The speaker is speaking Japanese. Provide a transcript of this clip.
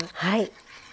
はい。